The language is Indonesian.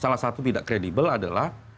salah satu tidak kredibel adalah